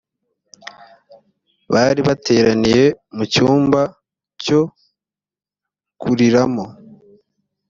bari bateraniye mu cyumba cyo kuriramo